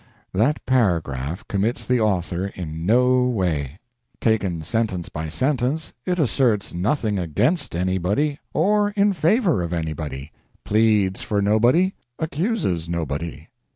That paragraph commits the author in no way. Taken sentence by sentence it asserts nothing against anybody or in favor of anybody, pleads for nobody, accuses nobody.